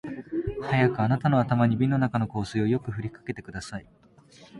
早くあなたの頭に瓶の中の香水をよく振りかけてください